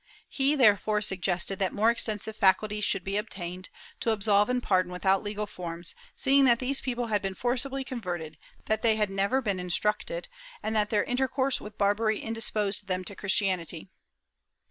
He, therefore, suggested that more extensive faculties should be obtained, to absolve and pardon without legal forms, seeing that these people had been forcibly converted, that they had never been instructed, and that their intercourse with Barbary indisposed them to Christianity.